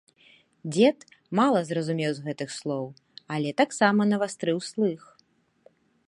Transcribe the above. Дзед мала зразумеў з гэтых слоў, але таксама навастрыў слых.